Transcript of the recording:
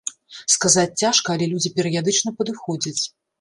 Сказаць цяжка, але людзі перыядычна падыходзяць.